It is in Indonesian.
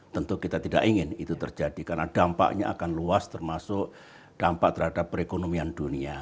tentu kita tidak ingin itu terjadi karena dampaknya akan luas termasuk dampak terhadap perekonomian dunia